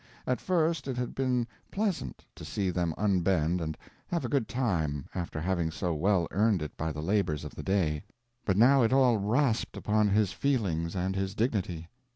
At first it had been pleasant to see them unbend and have a good time after having so well earned it by the labors of the day, but now it all rasped upon his feelings and his dignity.